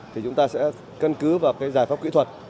thì chúng ta sẽ căn cứ vào cái giải pháp kỹ thuật